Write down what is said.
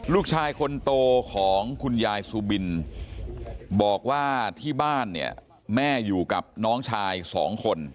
ลูกชายคนโตของคุณยายสุบินบอกว่าที่บ้านเนี่ยแม่อยู่กับน้องชายสองคน